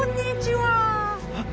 はっ。